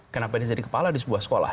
kenapa ini jadi kepala di sebuah sekolah